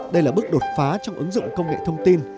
đây là bước đột phá trong ứng dụng công nghệ thông tin